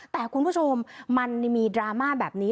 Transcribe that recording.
แต่คุณผู้ชมมันมีดราม่าแบบนี้